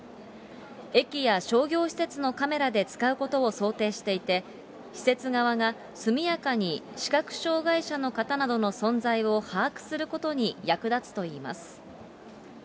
駅や商業施設のカメラで使うことを想定していて、施設側が速やかに視覚障害者の方などの存在を把握することに役立つといいます。